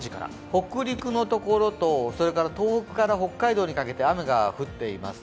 北陸のところと、東北から北海道にかけて雨が降っています。